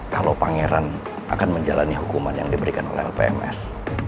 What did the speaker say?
kalau pangeran akan menjalani hukuman yang diberikan oleh lpms